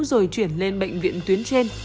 rồi chuyển lên bệnh viện tuyến trên